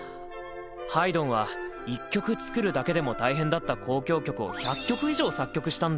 ハイドンは１曲作るだけでも大変だった交響曲を１００曲以上作曲したんだ。